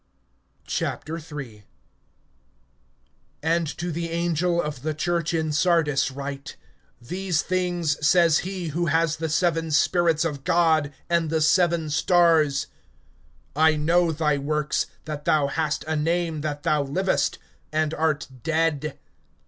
III. AND to the angel of the church in Sardis write: These things says he who has the seven spirits of God, and the seven stars. I know thy works, that thou hast a name that thou livest, and art dead.